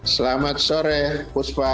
selamat sore kuspa